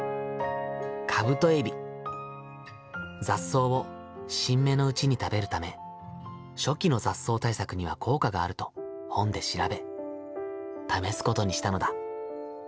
雑草を新芽のうちに食べるため初期の雑草対策には効果があると本で調べ試すことにしたのだ。